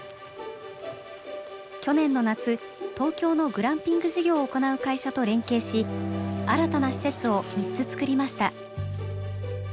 去年の夏東京のグランピング事業を行う会社と連携し新たな施設を３つ作りました。